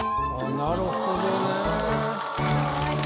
なるほどね。